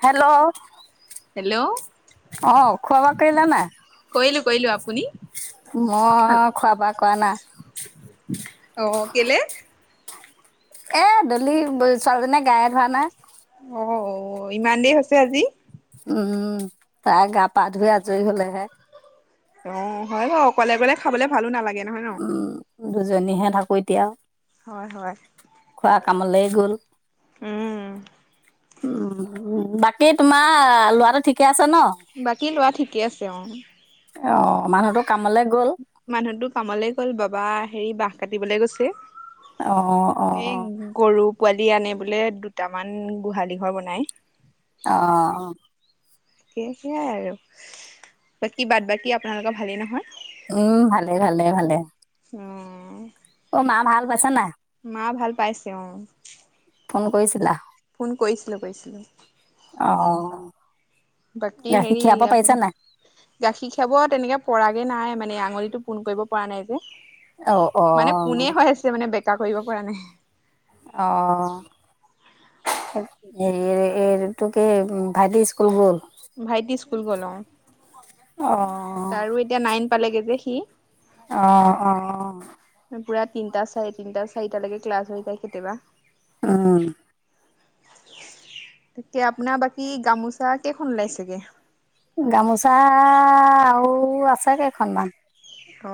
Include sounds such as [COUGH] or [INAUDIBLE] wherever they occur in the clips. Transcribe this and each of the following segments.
Hello অ hello খোৱা বোৱা কৰিলা নাই। কৰিলো কৰিলো আপুনি মই খোৱা বোৱা কৰা নাই। অ কেলে এ দলি ছোৱালীজনীয়ে গায়ে ধোৱা নাই। অ অ ইমান দেৰি হৈছে আজি। উম তাই গা পা ধুই আজৰি হলেহে অ হয় বাৰু অকলে অকলে খাবলে ভালো নালাগে দিয়ে নহয় ন উম দুজনীহে থাকোঁ এতিয়া হয় হয় খোৱা কামলৈ গ'ল উম অ উ বাকী তোমাৰ লৰাটো ঠিকে আছে ন বাকী লোৱা ঠিক ঠিকে আছে অঁ অ মানুহটোক মানুহটো কামলে গ'ল বাবা হেৰি বাহঁ কাটিবলৈ গৈছে অ অ এই গৰু পোৱালি আনে বোলে দুটামান গোহালি ঘৰ বনাই অ স সেইয়াই আৰু বাকী বাদ বাকী আপোনালোকৰ ভালেই নহয় উম ভালে ভালে ভালে অঁ অ মা ভাল পাইছা নাই মা ভাল পাইছে অ ফোন কৰিছিলা ফোন কৰিছিলো কৰিছিলো অহঁ। বাকী হেৰি আপোনাৰ গাখীৰ খিয়াব তেনেকে পৰাগে নাই ম। মানে আঙুলি টো পোনণ কৰিব পৰা নাই যে। অ অ মানে পোনে হৈ আছে মানে বেকা কৰিব। পৰা নাই। অ হে এই ত কি ভাইটি স্কুল গ'ল। ভাইটি স্কুল গলও। অঁ তাৰ এতিয়া নাই। পালেগে যে সি। অহ অ অ। পুৰা তিনিটা চাৰে তিনটা চাৰিটালৈকে ক্লাছ হৈ যায় কেতিয়াবা। উম। তাকে আপোনাৰ বাকী গামোচা কেইখন ওলাইছেগে। গামোচা আৰু আছে কেইখনমান। অ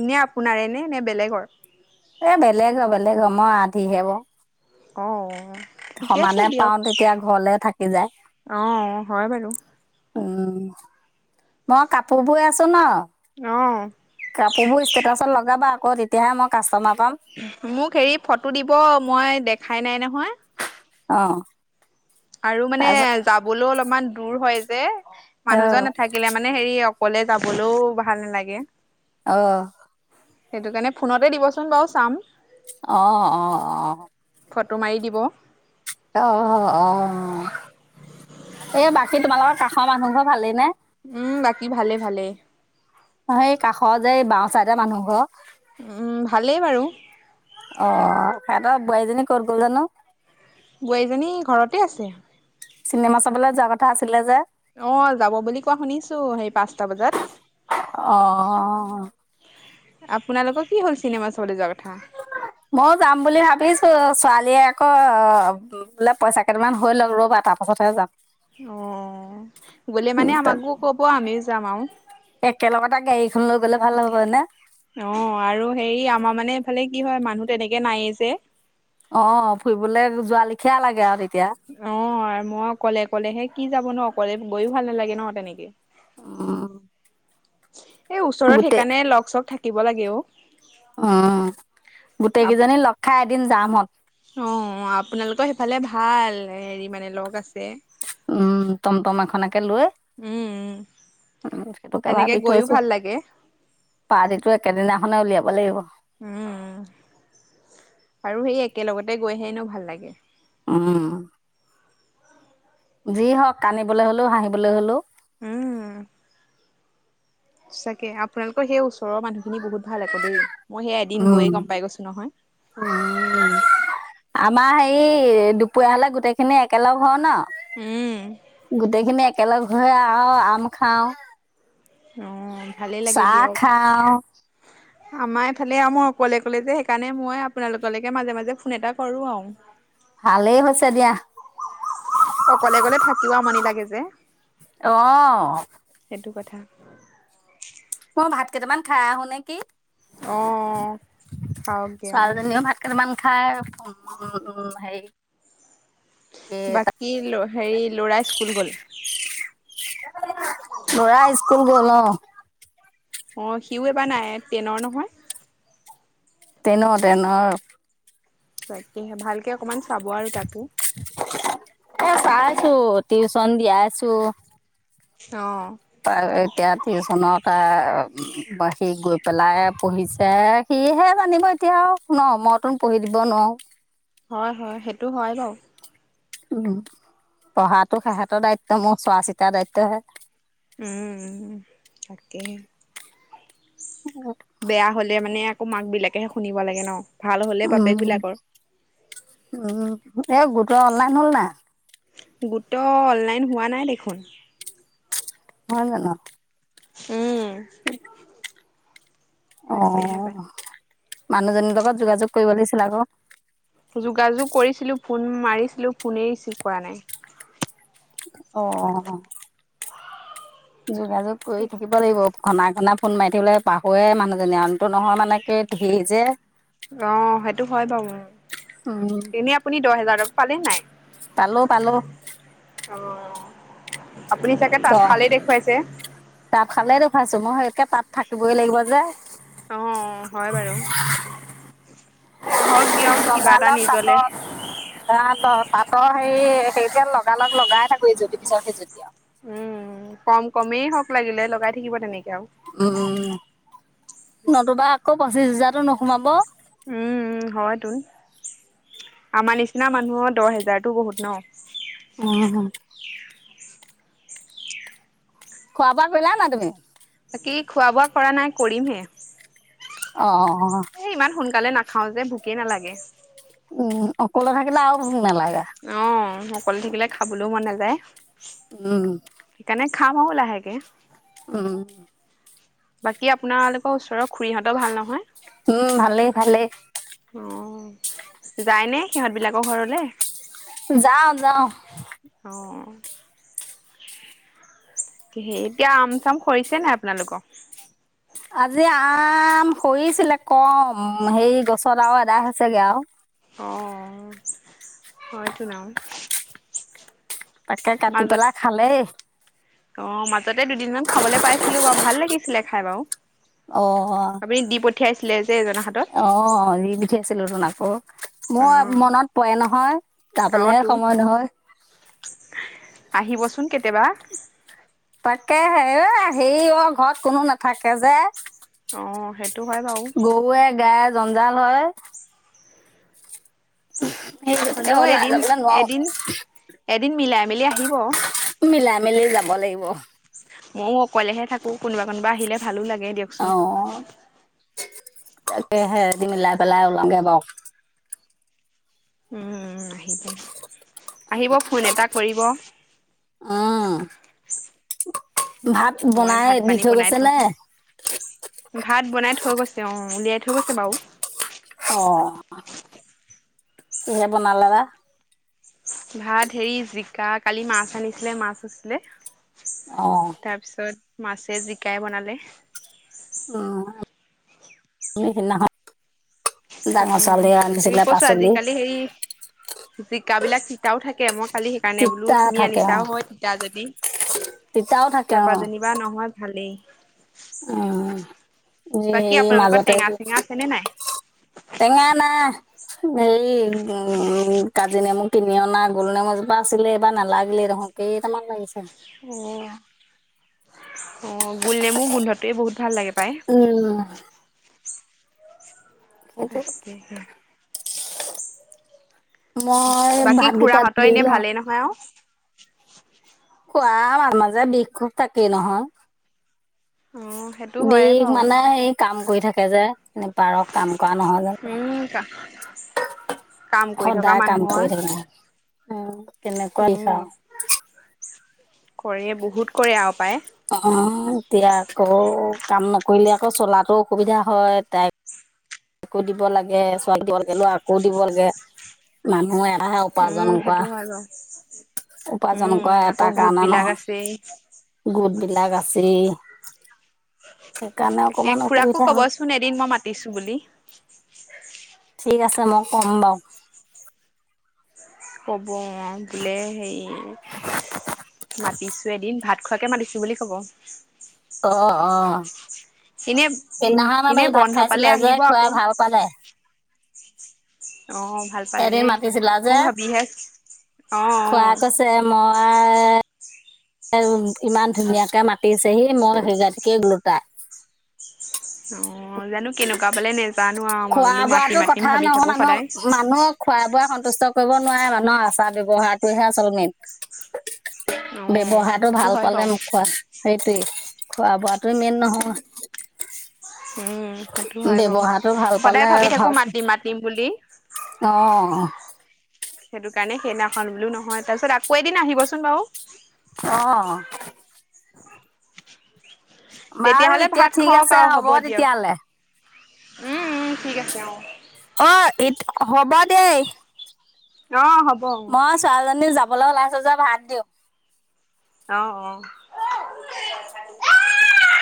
এনে আপোনাৰেনে নে বেলেগৰ। এ বেলেগ হয় বেলেগ হয় মই আধিহে ব। অ। ঠিকে আছে সমানে দিয়ক। পাও তেতিয়া ঘৰলে থাকি যায়। অ হয় বাৰু। উ মই কাপোৰ বোৰ আছো ন। অ কাপোৰ বোৰ ষ্টেটাচত লগাবা। কত তেতিয়াহেই কাষ্টমাৰ। পাম মোক হেৰি ফটো দিব মই দেখ। খাই নাই নহয়। অ। আৰু মানে যাবলৈ অলপ। মান দূৰ হয় যে। অঁ মানুহজন নাথাকিলে মানে হেৰি অ। অকলে যাবলৈও ভাল নালাগে। অহ। সেইটো কাৰণে ফোনতে দিবচোন বাৰু চাম। অহ অ অ। ফটো মাৰি দিব। অ অ এই বাকী তোমালোকৰ কাষৰ মানুহ ঘৰ ভালেই নে। উম বাকী ভালে ভালে। সেই কাষৰ যে এই বাওঁ চাইটা মানুহ ঘৰ উম ভালেই বাৰু। অ হেইটৰ বোৱাৰীজনী কত গল জানো। বোৱাৰীজনী ঘৰতে আছে। চিনেমা চাবলৈ যোৱা কথা আছিলে যে। অ যাব বুলি কোৱা শুনিছো সেই পাঁচটা বজাত। অ'। আপোনালোকৰ কি হ'ল চিনেমা চাবলে যোৱা? কথা মই যাম বুলি ভাবিছো। ছোৱালীয়ে আকৌ বোলে পইচা কেইটামান হৈ ল'ক ৰ'বা, তাৰপাছতহে যাম। অ', গ'লে মানে আমাকো ক'ব। আমিও যাম আৰু। একেলগতে [UNINTELLIGIBLE] গ'লে ভাল হ'ব নে? অ' আৰু হেৰি, আমাৰ মানে এইফালে কি হয় মানুহ তেনেকে নাইয়ে যে! অ' ফুৰিবলৈ যোৱা লিখিয়া লাগে আৰু তেতিয়া। অ' মই অকলে-অকলেহে কি যাব ন? অকলে গৈয়ো ভাল নালাগে ন তেনেকে। উম। এই ওচৰত সেইকাৰণে লগ-চক থাকে থাকিব লাগে অ'। অ'। গোটেই কেইজনী লগ খাই এদিন যামহত অ', আপোনালোকৰ সেইফালে ভাল। হেৰি মানে লগ আছে! উম টমটম এখনকে লৈ, উম, উম সেইটোকে তেনেকে ভাবি গৈও থৈছো। ভাল লাগে পাৰ্টীটো একেদিনাখনে উলিয়াব। ব লাগিব। উম। আৰু সেই একেলগতে গৈহে এনেও ভাল লাগে। উম। যি হওক কানিবলৈ হ'লেও, হাঁহিবলৈ হ'লেও। উম। চাকে, আপোনালোকৰ সেই ওচৰৰ মানুহখিনি বহুত ভাল আকৌ দেই! মই সেই এদিন গৈয়ে উম, গম পাই গৈছো নহয়। উম। আমাৰ সে এই দুপৰীয়া হ'লে গোটেইখিনি একেলগ হও ন! উম, গোটেইখিনি এক একেলগ হৈ আও আম খাও। অ' ভালেই লাগে দিয়ক। খাওঁ আমাৰ এইফালে আও মই অকলে-অকলে যে, সেইকাৰণে মই আপোনালোকলৈকে মাজে-মাজে ফোন এটা কৰো আৰু। ভালেই হৈছে দিয়া। অকলে গ'লে থাকিও আমনি লাগে যে। অ'। সেইটো কথা মই ভাত কেইটামান খাই আহো নেকি? অ' খাৱকগে অ'। ছোৱালীজনীও ভাত কেইটামান খাই উ-উম হেৰি। বাকী লৈ হেৰি, ল'ৰা স্কুল গ'ল? ল'ৰা স্কুল গ'ল অ'। অ' সিও এবাৰ নাই-টেইনৰ নহয়? তেন তেন। তাকেহে ভালকে অকমান। চাব আৰু তাকো। টিছন দিয়াইছো। অহ। ত এতিয়া টিউচনত পা সি গৈ পেলাই পঢ়িছে। সিহে জানিব এতিয়া আৰু ন মইতোন পঢ়ি দিব নোৱাৰোঁ। হয় হয় সেইটো হয় বাৰু। উম পঢ়াতটো সিহঁতৰ দায়িত্ব মোৰ চোৱা চিতাৰ দায়িত্বহে। উম তাকে। বেয়া হ'লে মানে। মাক বিলাকেহে শুনিব লাগে ন। ভাল হ'লেই বাপেক উম, বিলাকৰ। এ গোট অনলাইন হ'ল নাই। গোট অনলাইন হোৱা নাই দেখোন। হয় জানোঁ। উম। [UNINTELLIGIBLE] অ তাকেহে পাই। মানুহজনীৰ লগত যোগাযোগ কৰিব লাগছিল আকৌ। যোগাযোগ কৰিছিলোঁ ফোন মাৰিছিলোঁ ফোনে ৰিচিভ কৰা নাই। অ যোগাযোগ কৰি থাকিব লাগিব ঘনাই ঘনাই। ফোন মাৰি থাকিবলে পাহৰে মানুহজনী আনতো নহয় মানে। কি ধেৰ যে অ সেইটো হয় বাৰু উম, এনেই আপুনি দহ হেজাৰ পালে নাই? পালোঁ পালোঁ। অ' আপুনি চাগে দহ তাঁতশালেই দেখুৱাইছে তাত হালে দেখোৱাইছো মই সেনেকে তাত- থাকিবই লাগিব যে অ হয় বাৰু। হওক দিয়ক কিবা এটা লগালক নিজলে তাতত ৰা- তাতৰ হেৰি সেইতি লগালগ লগাই থাকোঁ ইজুতি পিছত সিজুতি আও উম কম কমেই হওঁক লাগিলে লগাই থ- উম নতুবা আকৌ পঁচিশ হাজাৰ। টো নোসোমাব। উম হয়তোন আমাৰ নিচিনা মানুহৰ দহ হেজাৰতটো বহুত ন। অহ খোৱা বোৱা কৰিলা নাই তুমি। বাকী খোৱা বোৱা কৰা নাই কৰিমহে অ অ অঁ সকালে নাখাওঁ যে ভোকেই নালাগে উম অকলে থাকিলে আৰু ভোক নালাগে। অঁ অকল থাকিলে খাবলৈওঁ মন নাযায়। উম। সেইকাৰণে খাম আৰু লাহেকৈ উম বাকী আপোনালোকৰ ওচৰৰ খুৰীহঁতও ভাল নহয় উম ভালেই ভালেই। অ যায় ন সিহঁত বিলাকৰ ঘৰলে। যাওঁ যাওঁ। অঁ কি এতিয়া আম চাম হৰিছে নাই আপোনালোকৰ আজি আম সৰিছিলে কম হে গছত আৰু এদাই হৈছেগে আৰু অঁ হয়তো নাম তাকে কাটি পেলাই খালেই অ মাজতে দুদিনমান খাবলৈ পাইছিলো বাৰু ভাল লাগিছিলে খাই বাৰু অ আপুনি দি পঠিয়াইছিলে যে এজনৰ হাতত অ দি পঠাইছিলো আছিলিলোঁনাক মোৰ অ', মনত পৰে নহয় অ', যাবলেহে তো সময় নহয় আহিবচোন কেতিয়াবা তাকে হে হেৰি অ ঘৰত কোনো নাথাকে যে অ সেইটো হয় বাৰু গৰুৱে গায়ে জঞ্জাল হয় সেই গতিকে হলেও ওলাই এদিন যাবলৈ নোৱাৰো এদিন এদিন মিলাই মেলি আহিব কাব লাগিব ময়ও অকলেহে থাকো কোনোবা কোনোবা আহিলে ভালো লাগে দিয়কচোন তাকে সেহতি মিলাই পেলাই ওলামগে বাৰু উম আহিব আহিব ফোন এটা কৰিব উম, ভাত মই বনাই ভাত দি পানী থৈ বনাই গৈছে থওঁ নে ভাত বনাই থৈ গৈছো তেওঁ উলিয়াই থৈ গৈছে বাৰু অ কিহে বনালে বা ভাত হেৰি জিকা কালি মাছ আনিছিলে মাছ হৈছিলে অ', তাৰপিছত মাছে জিকাই বনালে অহ এই সেইদিনাখন উম তাকে কৈছোঁ আজিকালি হেৰি জিকাবিলাক তিতাও থাকে ম খালি সেইকাৰণে বোলো তিতা তুমি থাকে আনিছা অ', হয় তিতা যদি তিতাও থাকে তাৰপা অ যেনিবা নহয় ভালেই উম, বাকী এই আপোনালোকৰ মাজতে টেঙা চেঙা আছে নে নাই টেঙা নাই সেই উম কাজি নেমু কিনি কিনি অনা গোল নেমু জোপা আছিলে বা এইবা নালাগিলে দেখোন কেইটামান লাগিছে অ অ গোল নেমুৰ গোন্ধটোৱে বহুত ভাল লাগে পায় উম, সেইটো আ [UNINTELLIGIBLE] মই বাকী ভাতকেইটা খুৰাহঁতৰ দি এনে লওঁ। ভালেই নহয় আৱ [INAUDIBLE] খোৱা মাজে মাজে বিষ খুব থাকেই নহয় অ', সেইটো হয়ে বিষ বাৰু মানে সেই কাম কৰি থাকে থাকে যে এনে পাৰ কাম কৰা নহয় জানো, উম, কাম কৰি থকা সদায় কাম মানুহৰ কৰি থাকিল, উম, কেনেকুৱা উম, লিখা আৱ কৰে বহুত কৰে আৱ পায় অ এতিয়া আকৌ কাম নকৰিলে আকৌ চলাতো অসুবিধা হয় তাই কো দিব লাগে ছোৱালীকো ল'ৰাকো দিব লাগে মানুহ এটাহে উপাৰ্জন উম, কৱা সেইটো হয় বাৰু উম আকৌ গোট বিলাক আছেই গোট বিলাক আছেই সেইকাৰণে তাকে অকমান খুৰাকো অসুবিধা হয় কবচোন এদিন মই মাতিছো বুলি ঠিক আছে মই ক'ম বাৰু ক'ব অ বোলে হেৰি মাতিছে এদিন ভাত খোৱাকে মাতিছোঁ বুলি ক'ব অঁ অঁ এনে সেইদিনাখন এনে আমাৰ ভাত বন্ধ পালে খাইছিলে যে আহিব আকৌ খোৱাই ভাল পালে অ', ভাল এদিন পালেনে মাতিছিলা মই যে ভাবিহে অ', খোৱা অ', কৈছে মই ইমান ধুনীয়াকে মাতিছেহি মই সেইজাতিকে ওলোটা অ জানো কেনেকুৱা পালে নেজানো আৰু মই খোৱা বোলো মাতিম বোৱাটো মাতিম কথা ভাবি নহয় থাকো মানুহৰ সদায় মানুহ খোৱা বোৱা সন্তুষ্ট কৰিব নোৱাৰে মানুহ আচাৰ ব্যৱহাৰটোহে আচল মেইন উম, বহাটো সেইটো ভাল হয় পালে বাৰু মোকখোৱা সেইটোৱে খোৱা বোৱটোৱে মেইন নহয় উম সেইটো হয় বাৰু ব্যৱহাৰটো ভাল পালে সদায় ভাবি ভাল থাকো মাতিম মাতিম বুলি অ সেইটো কাৰণে সেইদিনাখন বোলো নহয় তাৰপিছত আকৌ এদিন আহিবচোন বাও অ বাৰু তেতিয়াহ'লে এতিয়া ভাত ঠিক খাওক আছে আৰু হ'ব দিয়ক তেতিয়াহলে উম উম ঠিক আছে অ অ হ'ব দেই অ হ'ব অ', মই ছোৱালীজনী যা বলে উলাইছে যে ভাত দিওঁ অহ অ